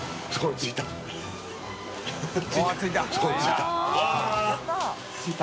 ついた！